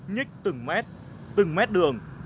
nhích từng mét từng mét đường